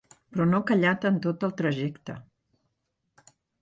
Però no ha callat en tot el trajecte.